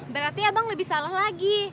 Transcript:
berarti abang lebih salah lagi